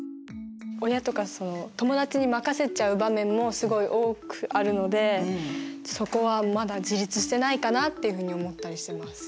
親とかその友達に任せちゃう場面もすごい多くあるのでそこはまだ自立してないかなっていうふうに思ったりしてます。